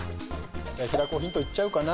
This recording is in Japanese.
平子ヒントいっちゃうかな？